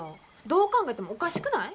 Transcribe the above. どう考えてもおかしくない？